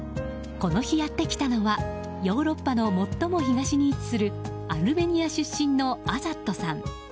この日やってきたのはヨーロッパの最も東に位置するアルメニア出身のアザットさん。